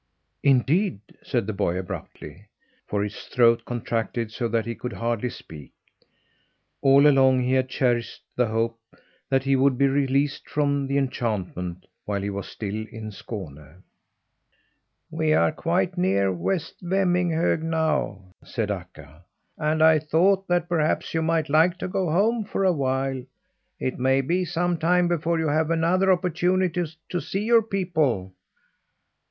"Indeed!" said the boy abruptly, for his throat contracted so that he could hardly speak. All along he had cherished the hope that he would be released from the enchantment while he was still in Skåne. "We are quite near West Vemminghög now," said Akka, "and I thought that perhaps you might like to go home for awhile. It may be some time before you have another opportunity to see your people."